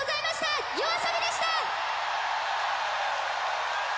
ＹＯＡＳＯＢＩでした。